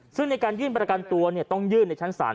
ซึ่งในการยื่นประกันตัวต้องยื่นในชั้นศาล